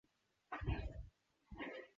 他们是乌克兰希腊礼天主教会教徒。